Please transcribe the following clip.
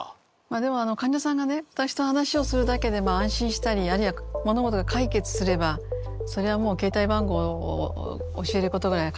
でも患者さんがね私と話をするだけで安心したりあるいは物事が解決すればそれはもう携帯番号を教えることぐらいは簡単なことです。